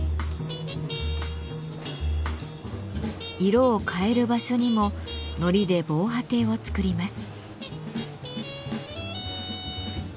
色を変える場所にも糊で防波堤を作ります。